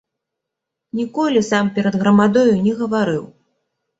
Ніколі сам перад грамадою не гаварыў.